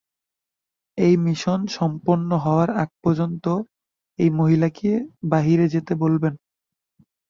এই মিশন সম্পূর্ণ হওয়ার আগপর্যন্ত এই মহিলাকে বাহিরে যেতে বলবেন।